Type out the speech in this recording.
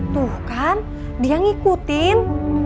tuh kan dia ngikutin